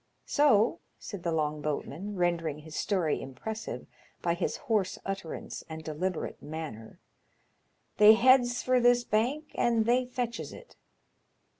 So," said the long boatman, rendering bis story impressive by his hoarse utterance and deliberate manner, '* they heads for this bank and they fetches it.